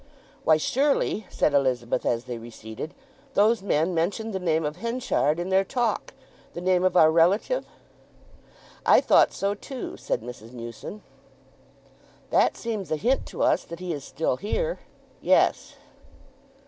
"Why, surely," said Elizabeth, as they receded, "those men mentioned the name of Henchard in their talk—the name of our relative?" "I thought so too," said Mrs. Newson. "That seems a hint to us that he is still here." "Yes."